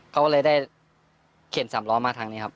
เขาก็เลยได้เข็นสามล้อมาทางนี้ครับ